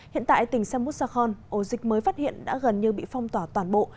hiện tại tỉnh samut sakhon ổ dịch mới phát hiện đã gần như bị phong tỏa toàn bộ